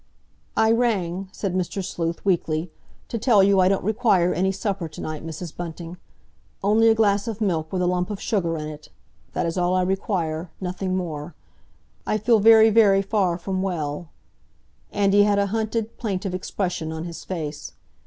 "I rang," said Mr. Sleuth weakly, "to tell you I don't require any supper to night, Mrs. Bunting. Only a glass of milk, with a lump of sugar in it. That is all I require—nothing more. I feel very very far from well"—and he had a hunted, plaintive expression on his face.